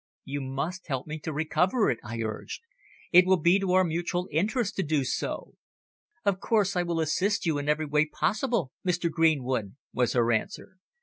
"You must help me to recover it," I urged. "It will be to our mutual interests to do so." "Of course I will assist you in every way possible, Mr. Greenwood," was her answer.